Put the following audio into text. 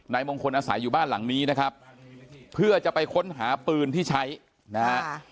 มงคลอาศัยอยู่บ้านหลังนี้นะครับเพื่อจะไปค้นหาปืนที่ใช้นะฮะ